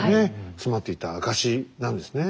詰まっていた証しなんですね。